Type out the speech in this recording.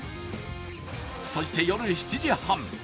そして夜７時半。